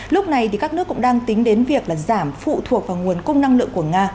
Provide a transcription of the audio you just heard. lúc này các nước cũng đang tính đến việc là giảm phụ thuộc vào nguồn cung năng lượng của nga